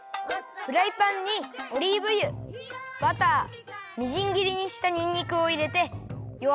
フライパンにオリーブ油バターみじん切りにしたにんにくをいれてよ